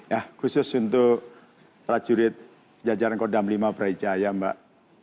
ya khusus untuk para jurid jajaran kodam v pria icahaya mbak